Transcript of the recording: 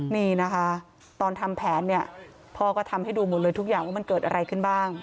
นี่นะคะตอนทำแผนเนี่ยพ่อก็ทำให้ดูหมดเลยทุกอย่างว่ามันเกิดอะไรขึ้นบ้าง